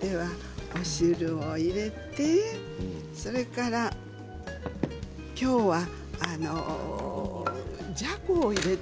では、お汁を入れてそれからきょうは、じゃこを入れて。